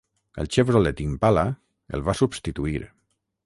El Chevrolet Impala el va substituir.